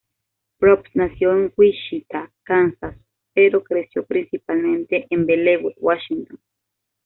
Probst nació en Wichita, Kansas, pero creció principalmente en Bellevue, Washington.